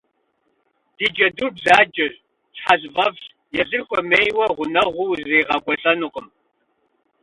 Ди джэдур бзаджэщ, щхьэзыфӏэфӏщ, езыр хуэмейуэ гъунэгъуу узригъэкӀуэлӀэнукъым.